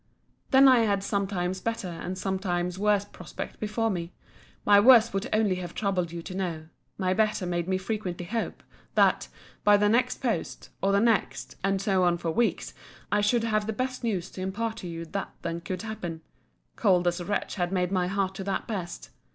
Then I had sometimes better and sometimes worse prospects before me. My worst would only have troubled you to know: my better made me frequently hope, that, by the next post, or the next, and so on for weeks, I should have the best news to impart to you that then could happen: cold as the wretch had made my heart to that best.